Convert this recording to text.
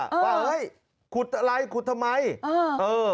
เฮ้ยขุดอะไรขุดทำไมเออ